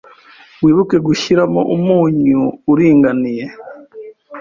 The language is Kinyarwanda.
wibuke gushyiramo umunyu uringaniye.